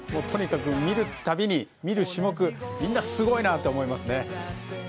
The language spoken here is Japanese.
とにかく見る度に、見る種目みんなすごいなって思います。